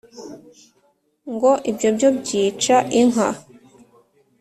ngo ibyobyo byica inka